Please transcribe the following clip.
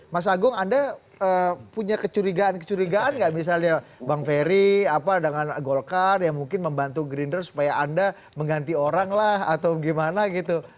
mas agung anda punya kecurigaan kecurigaan nggak misalnya bang ferry dengan golkar yang mungkin membantu gerindra supaya anda mengganti orang lah atau gimana gitu